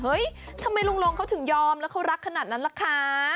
ทำไมลุงลงเขาถึงยอมแล้วเขารักขนาดนั้นล่ะคะ